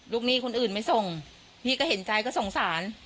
หนี้คนอื่นไม่ส่งพี่ก็เห็นใจก็สงสาร